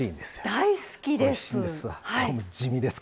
大好きです！